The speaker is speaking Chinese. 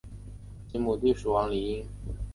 同母弟蜀王李愔。